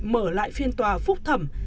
mở lại phiên tòa phúc thẩm